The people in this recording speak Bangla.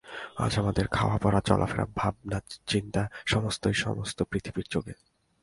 আজ আমাদের খাওয়াপরা চলাফেরা ভাবাচিন্তা সমস্তই সমস্ত-পৃথিবীর যোগে।